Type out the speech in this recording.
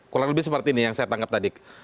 kurang lebih seperti ini yang saya tangkap tadi